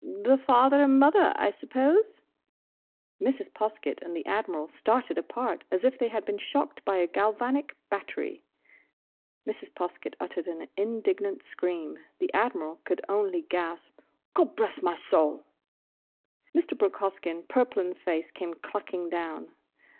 "The father and mother, I suppose?" Mrs. Poskett and the Admiral started apart, as if they had been shocked by a galvanic battery. Mrs. Poskett uttered an indignant scream; the Admiral could only gasp, "Gobblessmysoul!" Mr. Brooke Hoskyn, purple in the face, came clucking down.